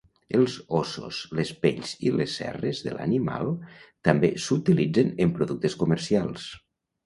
Els ossos, les pells i les cerres de l'animal també s'utilitzen en productes comercials.